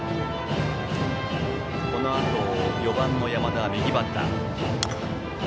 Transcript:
このあと４番の山田は右バッター。